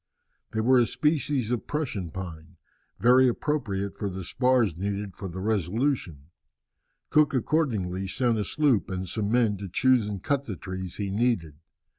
They were a species of Prussian pine, very appropriate for the spars needed for the Resolution. Cook accordingly sent a sloop and some men to choose and cut the trees he needed.